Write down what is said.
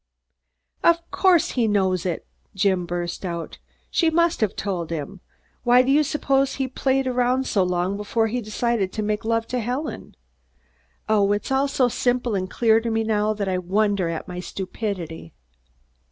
"Of course he knows it!" Jim burst out. "She must have told him. Why do you suppose he played around so long before deciding to make love to Helen? Oh, it's all so simple and clear to me now that I wonder at my stupidity."